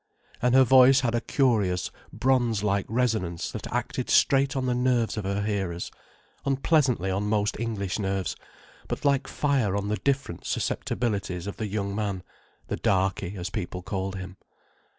And her voice had a curious bronze like resonance that acted straight on the nerves of her hearers: unpleasantly on most English nerves, but like fire on the different susceptibilities of the young man—the darkie, as people called him.